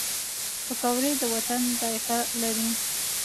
پکورې د وطن ذایقه لري